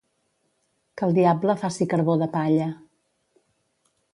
Que el diable faci carbó de palla.